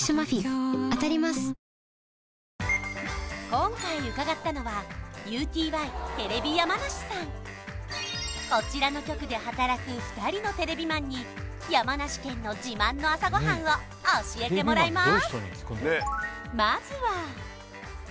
今回伺ったのはこちらの局で働く２人のテレビマンに山梨県の自慢の朝ごはんを教えてもらいまーす